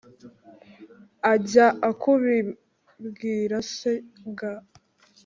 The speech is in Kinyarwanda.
ajya kubibwira se g